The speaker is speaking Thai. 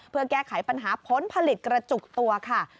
เพื่อแก้ไขปัญหาผลผลิตกระจุกตัวค่ะ